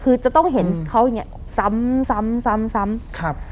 คือจะต้องเห็นเขาอย่างเงี้ยซ้ำซ้ำซ้ำซ้ำครับ